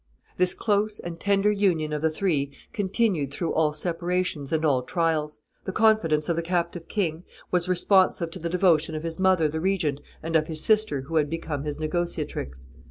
This close and tender union of the three continued through all separations and all trials; the confidence of the captive king was responsive to the devotion of his mother the regent and of his sister who had become his negotiatrix.